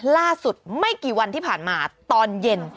ล่าสุดไม่กี่วันที่ผ่านมาตอนเย็น